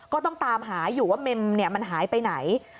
ก็ต้องตามหาอยู่ว่าเมมมันหายไปไหน